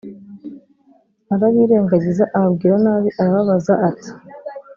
arabirengagiza ababwira nabi Arababaza ati